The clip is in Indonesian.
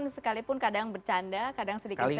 sekalipun kadang bercanda kadang sedikit serius ya